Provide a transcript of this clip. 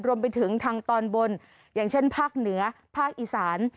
รวมไปถึงทางตอนบนอย่างเช่นภาคเหนือภาคอีสาน